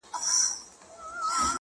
یا د جنګ پر ډګر موږ پهلواني کړه؛